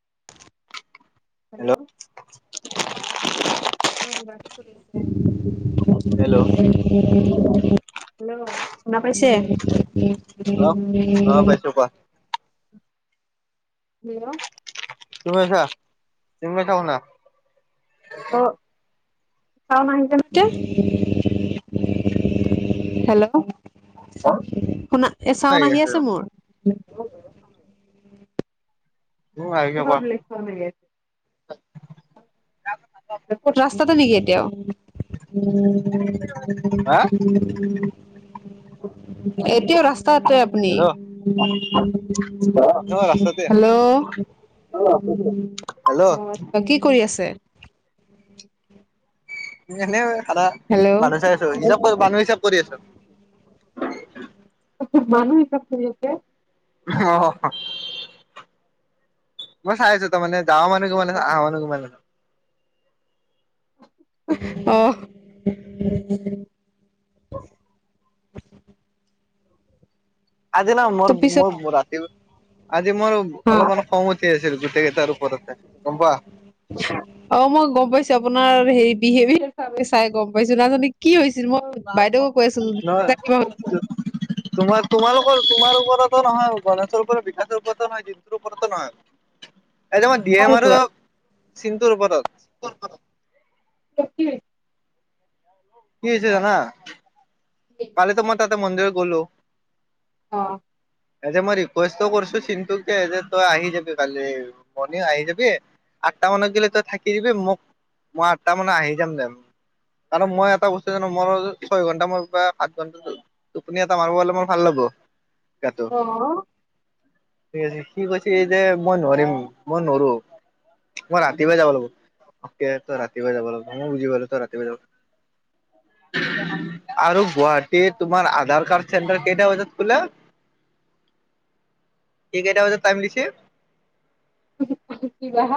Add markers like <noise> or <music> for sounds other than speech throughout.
<unintelligible> Hello <unintelligible> <unintelligible> hello hello শুনা পাইছে অ অ পাইছো কোৱা <unintelligible> হেল্ল তুমি পাইছা তুমি পাইছা শুনা অ ছাউণ্ড <unintelligible> হেল্ল' শুনা চাউন আহি আছে মোৰ তুমি আহিছে কোৱা <unintelligible> ক'ত ৰাস্তাটো নেকি এতিয়াও হা <unintelligible> এতিয়াও ৰাস্তা কতে আপনি? হেল্ল' মই ৰাস্তাতে হেল্ল' হেল্ল' <unintelligible> কি কৰি আছে? এনে সাদা হেল্ল' মানুহ চাই আছো। হিচাপ- মানুহ হিচাপ কৰি আছো। মানুহ হিচাপ কৰি আছে। অ'হ। মই চাই আছো তাৰমানে দা মানহ মমান আ আহ মানো মমানে আহ <unintelligible> আজি না মোৰ পিছত মোৰ ৰাতি আজি মোৰ অ অলপমান খং উঠি আছিলো গোটেই কেইটাৰ ওপৰতে গম পোৱা অ মই গম পাইছো। আপোনাৰ হেৰি বিহেভিয়াৰ চ চাই গম পাইছো নাজান কি হৈছে মই বাইদেউকো কৈ আছিলোঁ নহয় কিবা তোমাৰ তোমালোকৰ তোমাৰ ওপৰতো নহয় গণেশৰওপৰত বিকাশৰ ওপৰত নয় জিটোৰ ওপৰতো নহয় <unintelligible> এইটো মই দি কাৰ এম আৰু ওপৰত? চিনটোৰ ওপৰত কি হৈছে জানা কালি তো মই তাতে মন্দিৰত গলো অ' এ যে মই ৰিকুৱেষ্ট কৰিছো চিনন্তুকে যে তই আহি যাবি কালি মৰ্নিং আহি যাবি আঠটা মানত গ'লে তই থাকি দিবি মোক মই আঠটা মানে আহি যাম দোম কাৰ মই এটা বস্তু জানো মোৰ ছয় ঘন্টা মই পৰা সাত ঘণ্টা টোপনি এটা মাৰিব হলে মাৰ ভাল লব আহ ঠিক আছে স কৈছে যে মই নোৱাৰিম মই নোৱাৰো মই ৰাতিুৱাই যাব লাগিব অকে তই ৰাতিপুৱা যাব লাগিব ন বুজি পাল তই ৰাতিপুৱা যাব আৰোগ গুৱাহাটীত তোমাৰ আধাৰ কাৰ্ড চেণ্টাৰ কেেই দয়া হৈ যাত কল এই কেইটা বজাত টাইম দিছে কিা আ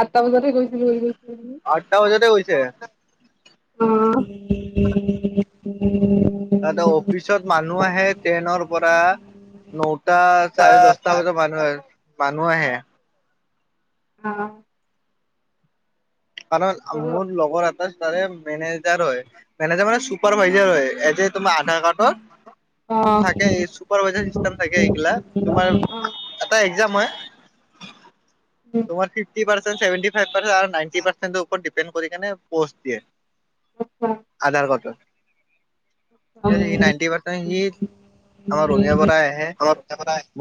আঠটা বজাতে গৈছিলো গৈছিলি ব আঠটা বজাতে কৈছে অ তাতে অফিচত মানুহ আহে ট্ৰেইনৰ পৰা ন টা চাৰে দহটা বজাত মানুহ আহ মানুহ আহে অ। কাৰানে মোৰ লগৰ তাৰে মেনেজাৰ হয় মেনেজাৰ মানে চুপাৰভাইজাৰ হয় এজ তোমাৰ আধাৰ কাৰ্ডৰ অ অ থাকে এই চুপাৰাইজাৰ চিেম থাকে এইগিলা তোমাৰ এটা এক্জাম হয় উম মাৰাৰে ন পৰ ডপে কৰি প দিয়ে আচ্ছা আধাৰ কত সি নাইনটি পাৰ্চেন্ট সি আমাৰ ৰঙ পৰা আহে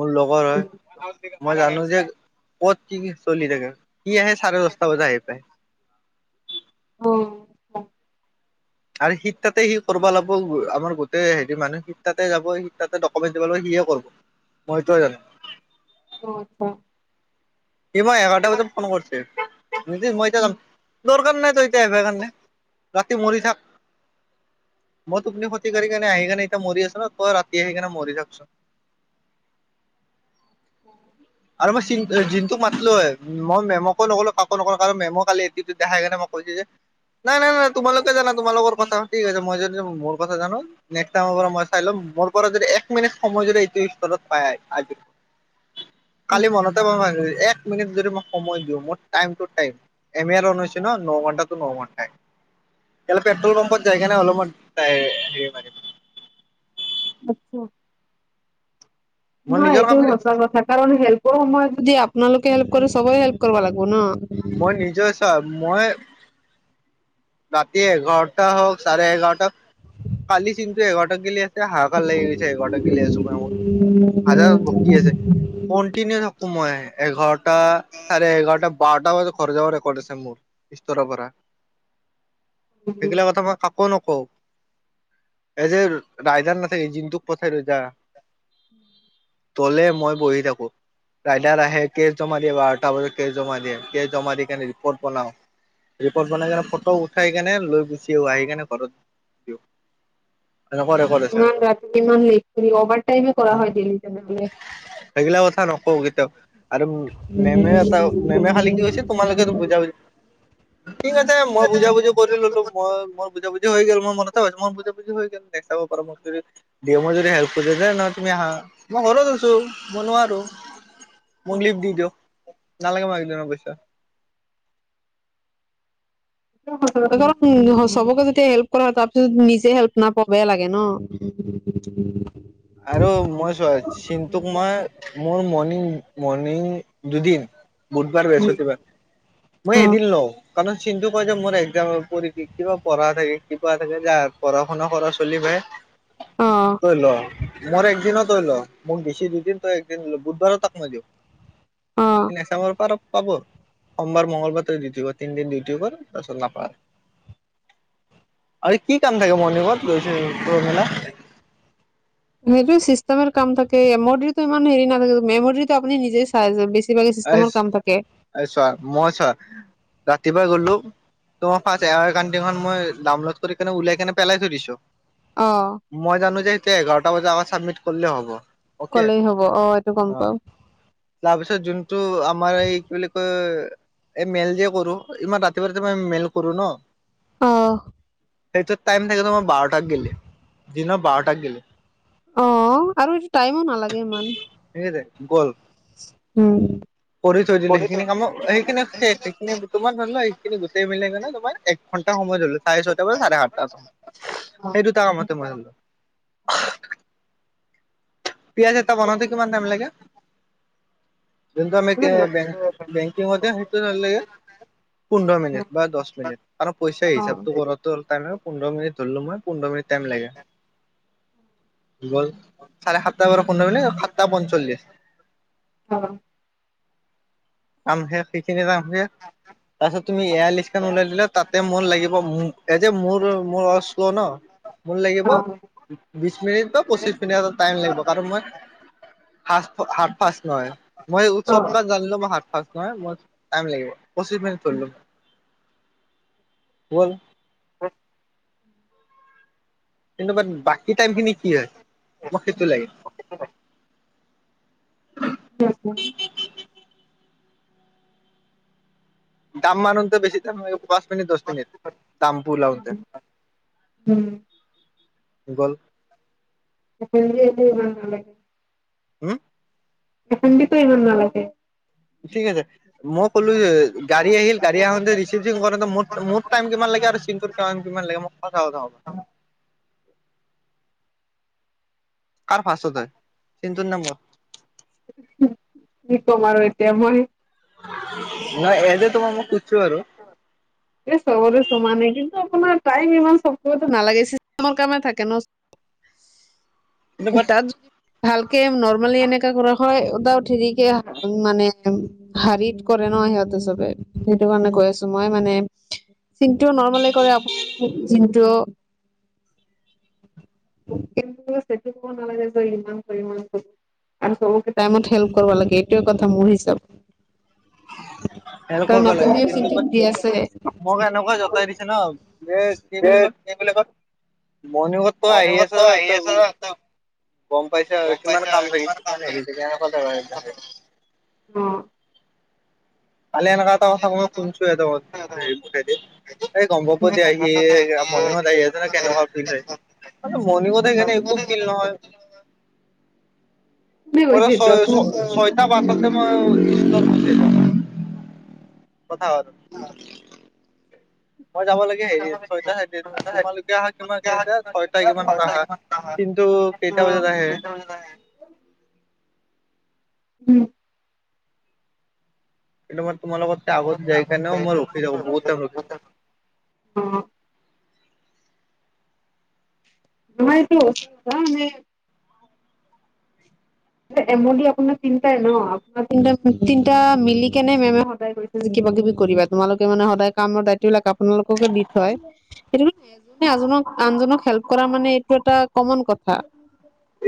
মোৰ লগৰ হয় মই জানো যে ক'ত কি কি চলি থাকে কি আহে চাৰে দহটা বজাত আহি পায় অ অ আৰু শীত তাতে সি কৰিব লাগ আম গোেই হেৰি মানুহ শীতাতে যাব সীত তাতে ডকুমেণ্ট দিব লাগিব কি কৰ মইটোোৱে জানো ন স মই এঘাৰটা বজাত ফোন কৰিছে কৈছি, মই এতিয়া উম যাম, দৰকাৰ নাই তই, এতিয়া কাৰণে ৰাতি মৰি থাক। মই তুপনি ক্ষতিকাৰি কাৰনে আহি কেনে এতিয়া মৰি আছো ন ত ৰাতি আহি কেনে মৰি থাককচোন <unintelligible> আৰু মই চ ত মাতলো হয়, মই মেমকো নকলো, কাকো নো কাৰন, মেমু কালি, এন্ত্ৰীটো দেখাই কৈছে যে নাই নাই নাই তোমালোকে জানা তোমালোকৰ কথা ঠিক আছে মই যদি মোৰ কথা জানো নেক্সট টাইমৰ পৰা মই চাই ল'ম মোৰ পৰা যদি এক মিনিট সময় যদি এইটো স্তৰত পাই আজিৰ <unintelligible> উম কালি মনতে, মকভাগছি এক মিনিট যদি মই সময় দিওঁ, মোৰ টাইম টো, টাইম, এম, ৰন হৈছে ন, ন ঘন্টা টো, ন ঘন্টাাই। লে পেট্ৰল পাম্পত যায়গ নাই অলপমান হেৰি মাৰ আচছা মই নহয় নিজৰ এইটো কামখিনি সচা কথা কাৰণ হেল্পৰ সময়ত যদি আপোনালোকে হেল্প কৰে সবে হেল্প কৰিব লাগিব ন মই নিজৰ চ মই ৰাতি এঘাৰটা হওক চাৰে এঘাৰটা কালি চিন্তন্তু এঘাৰটা গলে আ হাহাকাৰ লাগিৈছে ঘক গিল আছো মত হাজাৰ বক্তি আছে, কন্টিনিউ থাকো মই এঘাৰটা চাৰে এঘাৰটা। বাৰটা বজাত ঘৰ যাব ৰেকৰ্ড আছে মোৰ ্তৰৰ পৰা সেইগিলা কথা মই ক আকৌ নক এই যে ৰাায়দান নাথাকে জিন্তুক পথাই ৰৈ যা তলে মই বহি থাকো ৰাইডাৰ আহে কেচ জমা দিয়ে বাৰটা বজাত কেচ জমা দিয়ে কেচ জমা দি কেনে ৰিপৰ্ট বনাওঁ ৰিপৰ্ট বনাই কেনে ফটো উঠাই কেনে লৈ গুচি আহও আহি কেনে ঘৰত দিওঁ এনেকুৱা ৰেকৰ্ড আছে মান ৰাতি কিমানট কৰি অভাৰাইম কৰা হয় ডেলিনেলে ক কেতিয়াও আৰু মেমে এটা মেমে খালী কি গৈছে তোমালোকে বুজাবুজি ঠিক আছে মই বুজাবুজি ললো মই মোৰ বুজাবি হৈ গল মই মনতে হৈছে মোৰ বুজাবুজি হৈ গ'ল চাব পাৰো মোক যদি দি মই যদি হেল্প কৰি যে ন তুমি আহা মই ঘৰত আছো মই নোৱাৰো মোক লিপ দি দো <unintelligible> নালাগে মালিকজনৰ পইচা। চবকে যদি হেল্প কৰা হয় তাৰ পাছত নিজে হেল্প নাপাওঁ বেয়া লাগে ন। <inaudible> আৰু মই চোৱা চিন্তুক মই মোৰ মনি মৰ্ণিং দুদিন বুধবাৰ বৃহস্পতিবাৰ মই অ এদিন লও কাৰণ চিন্তু কয় যে মোৰ একজাম কিবা পঢ়া থাকে কিবা থাকে যে পঢ়া শুনা কৰা চলি ভাই অ তৈ লো <unintelligible> তই একদিনও তয় লো মোক দিছি দুদিন তই একদিনল বুধবাৰ তাক মাই দিও অ <unintelligible> পৰা পাব <unintelligible> সোমবাৰ মঙ্লবাৰ ত ডিউটি কৰ তিনদিন ডিউটি কৰ তাৰপিছত নাপা। আৰু কি কাম থাকে মৰ্ণিকত পুৰ মেলা। সেইটো চিষ্টেমৰ কাম থাকে মেমৰি টো ইমান হেৰি নথাকে মেমৰি টো আপুনি নিজে চাই। বেছিভাগে আ চিষ্টেমৰ কাম থাকে চোৱা মই চোৱা ৰাতিপুৱা গলো। তোমাৰ ফাচ এয়াৰ কানিখন মই দামল কৰি কেনে উলাই কেনে পেলাই থৈ দিছো। অ মই জানো যে এতিয়া এঘাৰটা বজাৰ আগত চাবমিট কৰিলে হ'ব। অকে কলেই হব অ' এইটো গম পাও। তাৰপিছত যোনটো আমাৰ এই কি বুলি কয় এই মেইল যে কৰো ইমান ৰাতিপুৱা ৰাতি মই মেইল কৰো ন আহ। সেইটো টাইম থাকে তোমাৰ বাৰটাক গেলে দিন বাৰটাক গেলে। অ আৰু এইটো টাইমো নালাগে ইমান। ঠিক আছে গ'ল। উম কৰি থৈ দিলো সেইখিনি কামো সেইখিনি শেষ সেইখিনি তোমাৰ ধৰি লোৱা সেইখিনি গোটেই মিল কেনে তোমাৰ এক ঘণ্টা সময় ধৰিলো চাৰে ছয়টা পৰা চাৰে সাতটা অ সেই দুটা কামতে মই ধৰিলো উম পিয়াঁজ এটা বনাওঁতে কিমান টাইম লাগে যোনটো আমিকে বেং বেংকিংতে সেটো <unintelligible> পোন্ধৰ মিনিট বা দহ মিনিট আৰু পইচা অ হিচাপটো কৰোঁতে টাইম পোন্ধৰ মিনিট ধৰিলো মই পোন্ধৰ মিনিট টাইম লাগে গল চাৰে সাতটাৰ পৰা পোন্ধৰ মিনিট সাতটা পঞ্চল্লিশ অ কাম শেষ সেইখিনিতে কাম শেষ তাৰপিছত তুমি এয়া লিষ্ট ওলাই দিলা তাতে মোৰ লাগিব এ যে মোৰ মোৰ অশ কো ন মোৰ লাগিব বিশ মিনিট বা পঁচিশ মিনিট এটা টাইম লাগিব কাৰণ মই হাচ হাত ফাৰ্চ নহয় মই অ'। চতকাত জানিলো মোৰ হাতফাৰ্চ নহয় মই টাইম লাগিব পছিশ মিনিট ধৰিলো গল <unintelligible> কিন্তু বাত বাকী টাইম খিনি কি হয় মোক সেইটো লাগে <unintelligible> দাম মানোতে বেছি টাইম <unintelligible> পাঁচ মিনিট দহ মিনিট দাম পো উলাওতে উম গুগোল <unintelligible> নালাগে হম। এখনদিতো ইমান নালাগে। ঠিক আছে মই ক'লো গাড়ী আহিল গাড়ী আহাতে ৰিচিভিং কৰোতে মোৰ মোৰ টাইম কিমান লাগে আৰু চিংকুৰ কিমান লাগে মোক <unintelligible> কাৰ ফাৰচত, চিন্তুৰ নম্বৰ। কি কম আৰু এতিয়া মই। নাই এ তোমাক মই খুজছো আৰু এ <unintelligible> আপোনাৰ টাইম ইমান চব নালাগে চিষ্টৰ কামে থাকে ন। কিন্তু বাট তাত ভালকে নৰৰ্মালি এনে কৰা হয় উদ েৰিকে মানে হাৰিত কৰে ন সিহঁতে চবে। সেইটো কাৰণে কৈ আছো মই মানে চিনটো নৰ্মেল কৰে আপুনি জিনটো কিন্তুটো কব নালাগে যে ইমানক ইমান ক। আৰু চবকে টাইমত হেল্প কৰিব লাগে এইটোৱে কথা মোৰ হিচাপ। হেল্প কৰিব লাগে কিন্তু বাট <unintelligible> আছে। মোক এনেকুৱা জতাই দিছে ন দে কি বুলি কয়। মৰ্ণগত আহি আছ <unintelligible> গম পাইছে আৰু কিমান কাম লাগিছে কিমান হেৰি থনেকুৱা য অ'। কালি এনেকা এটা কথা মই শুনাচো কো এ হৰি এই গম্পাপতি আহি মনহত আহি জানো কেনেকুৱা ফিল হয়। ম মণ কোধাই কেনে একো ফিল নহয়। <inaudible> কোনে ম কৈছে ছ এইটো ছয়টা বছতে মই কথা হয় আৰু। মই যাব লাগে হেৰিত ছয়টা চাইত তোমালোকে আহা কিমান এতিয়া ছয়টা কিমানত আহা। কিন্তু কেইটা বজাত আহে? উম। কিন্তু মই তোমাৰ লগ আগত যাই কাৰণেও মই ৰখি থাকো বহুত টাইম ৰখি থাকো। অ <unintelligible> এমনি আপোনাৰ তিনটাই ন আপোনাৰ তিনটা মিলি কেনে মে সদায় কৰি। কিবা কিবি কৰিবা তোমালোকে মানে সদায় কামৰ দায়িত্ববলাক আপোনালোককে দি থয়, সেইটোজনৰ আনজনক হেল্প কৰা মানে এইটো এটা কমন কথা।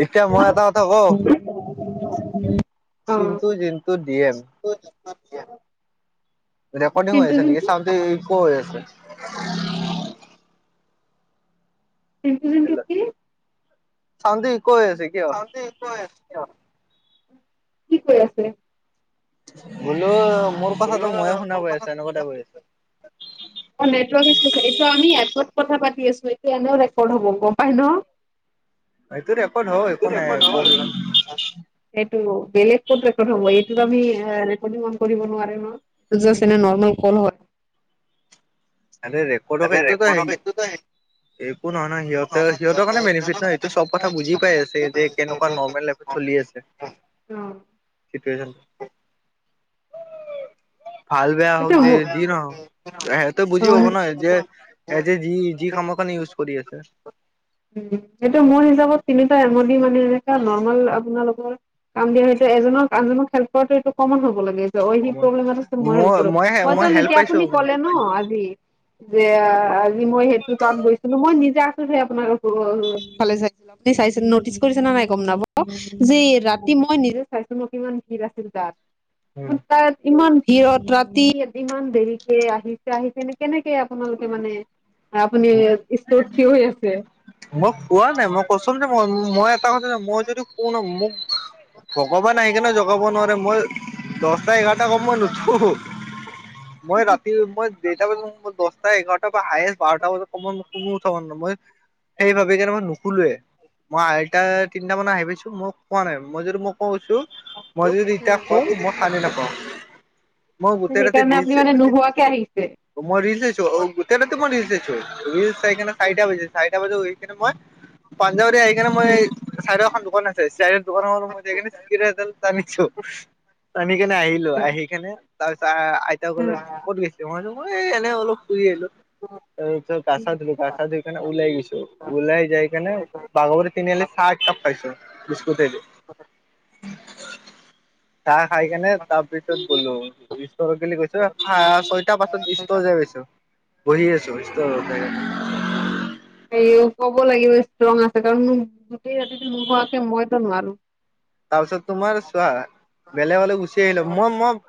এতিয়া মই এটা কথা কওঁ Chintu <unintelligible> Jintu D M <unintelligible> recording হৈ পিন্টু আছে নেকি জোনটো চাওঁতে ইক হৈ আছে। <unintelligible> চানধি কি কৰি আছে। বোলো মোৰ কথাটো ময়ে শুনা পায় আছো এনেকুৱা টাইপ হয় আছে। অ' নেটৱৰ্ক এইটো আমি এপত কথা পাতি আছো এইটো এনেও ৰেকৰ্ড হব গম পাই ন। <inaudible> এইটো ৰেকৰ্ড হয় একো নাই <unintelligible> এইটো বেলেগ কত ৰেকৰ্ড হব এইটোত এ আমি ৰেকৰ্ডিঙ অন কৰিব নোৱাৰে ন ইটো জট এনে ৰ্নমল কল হয়। আ ৰেকৰ্ড খাইটো ত। একো নহয় নয় সিহঁতে সহতৰ কাৰণে বেনিফি নহয় সটো চব কথা বুজি পাই আছে যে কেনেকুৱা নৰ্মেল চলি আছে। উম। চিটুৱেচনটো। ভাল বেয়া হওক সেইটো যে যি নহওঁক। বুজি অ পাব নহয় যে এজ যি যি কামৰ কাৰি ইউজ কৰি আছে। উ সেইটো মোৰ হিচাপত তিনিটা এম দি মানে এনে নৰ্মেল আপোনালোকৰ কাম দিয়া হয়তটো এজনক আনজননৰ খেলপতো এইটো কমন হ'ব লাগে। লগৰ কেইজনীক কমন কৰিবলৈ মানে মই বিপদত মই মইতোন হেল্প এতিয়া পাইছো আপুনি ক'লে উম ন আজি। যে আজি মই সেইটো তাত গৈছিলো মই নিজে আছোহে আপোনাৰ। অ' ভালে চাইছিল আপুনি চাই নটিচ কৰিছে না নাই গম নাপ যে ৰাতি মই নিজে চাই। ইমান ভিৰ আছিল তাত, তাত ইমান ভিৰত ৰাতি ইমান দেৰিকে আহিছে আহিছে ন কেনেকে আপোনালোকে মানে আপুনি টৌৰ থিয় হৈ আছে। মই কোৱা নাই মই কৈছো যে মই মই এটা কথাই মই যদি কওঁ ন মোক গবা নাই কাৰণে জগাব নোৱাৰে মই দহটা এঘাৰটা আগত মই নুঠো। মই ৰাতি মই দেৰটা বজাতো দহটা এঘাৰটা বা হায়ষ্ট বাৰটা বজাত কম কমো উঠাব মান মই সেই ভাবে কিণি কেনে মই নুখোলোৱে মই আইটা তিনটা মানে আহি পাইছো, মই কোৱা নাই মই যদি মই ক মই যদি উম। ইতিয়া শু, মই খাৰে নাপাওঁ। মই গোটেই ৰাতি সেইকাৰণে দি আপুনি আছে। মানে নোহোৱাকে আহিছে। মই দি চাইছো হ গোটেই ৰাতি মই ৰিলচ চাইছো তো মই চাইাই <unintelligible> মই প আহিনে মই চাইদত এখন দোকান আছে চাইদত দোকানখনত জাই কিনে মই চিগাৰেট এডাল টানিছো। আমি কেনে আহিলো আহি কেনে তাৰ পিছ আইত কলে ক'ত গৈছিলো মইনো মই এই এনে অলপ ফুৰি আহিলো। ত তই গা চা ধুই গাচা ধুই কেনে ওলাই গৈছে। ওলাই যাই কেনে বাগোৰি টিনিআলি আহলে চাহ একাপ খাইছো বিস্কুটয়ে দি। <unintelligible> চাহ খাই কেনে তাৰপিছত গলো। গি গৈছো ছয়টাৰ পাছত ষ্ট যাই পাইছো। বহি আছো। এই ক'ব লাগিব ৰঙা চাদৰ আছে কাৰণ গোটেই মোৰ মইতো নোৱাৰো। তাৰপিছত তোমাৰ চোৱা বেলেগলৈ গুচি আহিলো মই মই